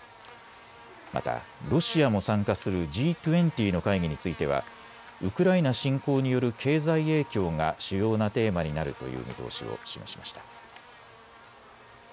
また、ロシアも参加するＧ２０の会議についてはウクライナ侵攻による経済影響が主要なテーマになるという見通しを示しました。